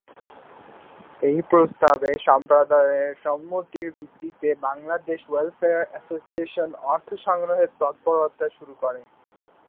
এই প্রস্তাবে সম্প্রদায়ের সম্মতির ভিত্তিতে বাংলাদেশ ওয়েলফেয়ার অ্যাসোসিয়েশন অর্থ সংগ্রহের তৎপরতা শুরু করে।